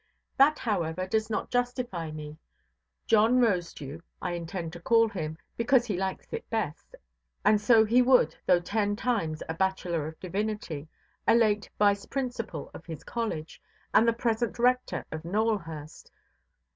That, however, does not justify me. "John Rosedew" I intend to call him, because he likes it best; and so he would though ten times a Bachelor of Divinity, a late Vice–Principal of his college, and the present Rector of Nowelhurst.